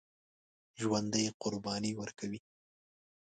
ژوندي قرباني ورکوي